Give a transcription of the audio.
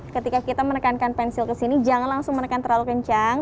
ketika kita menekankan pensil ke sini jangan langsung menekan terlalu kencang